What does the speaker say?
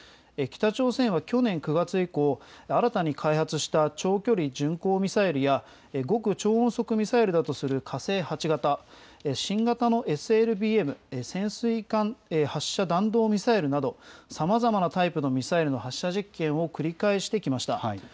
北朝鮮は去年９月以降、新たに開発した長距離巡航ミサイルや、極超音速ミサイルだとする火星８型、新型のＳＬＢＭ・潜水艦発射弾道ミサイルなど、さまざまなタイプのミサイルの発射実験を繰り返してきました。